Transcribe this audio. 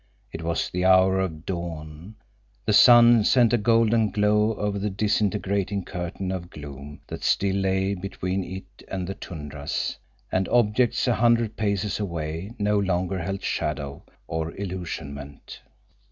It was the hour of dawn; the sun sent a golden glow over the disintegrating curtain of gloom that still lay between it and the tundras, and objects a hundred paces away no longer held shadow or illusionment.